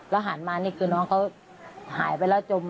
หันมานี่คือน้องเขาหายไปแล้วจม